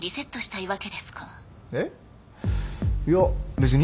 いや別に？